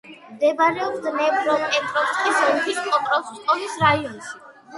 მდებარეობს დნეპროპეტროვსკის ოლქის პოკროვსკოეს რაიონში.